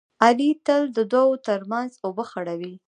علي تل د دوو ترمنځ اوبه خړوي.